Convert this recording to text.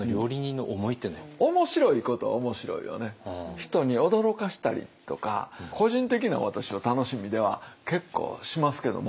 人に驚かしたりとか個人的な私は楽しみでは結構しますけども。